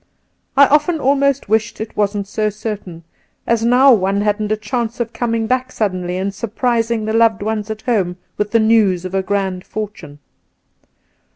I often almost wished it wasn't so certain, as now one hadn't a chance of coming back' suddenly and sur prising the loved ones at home with the news of a grand fortune.